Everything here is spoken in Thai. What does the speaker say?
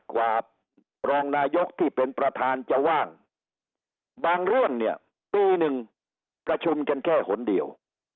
กว่ารองนายกที่เป็นประธานจะว่างบางเรื่องเนี่ยปีหนึ่งประชุมกันแค่หนเดียว